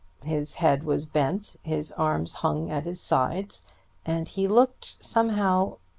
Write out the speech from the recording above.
His head was bent, his arms hung at his sides, and he looked somehow